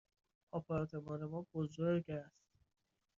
آپارتمان ما بزرگ است.